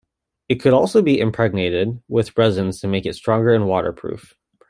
It could also be impregnated with resins to make it stronger and waterproof.